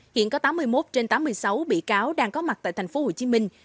hiện có tám mươi một trên tám mươi sáu bị cáo đang có mặt tại thành phố hồ chí minh